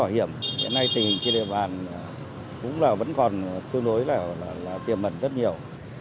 hiện nay tình hình trên địa bàn vẫn còn tương đối là tiềm mật rất nhiều